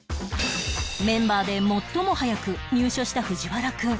メンバーで最も早く入所した藤原くん